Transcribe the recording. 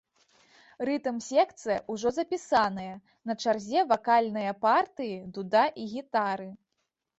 Рытм-секцыя ўжо запісаная, на чарзе вакальныя партыі, дуда і гітары.